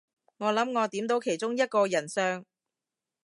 我諗我點到其中一個人相